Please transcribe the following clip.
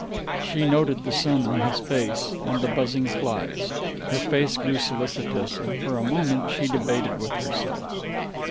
She noted the sun on his face, and the buzzing flies; her face grew solicitous, and for a moment she debated with herself.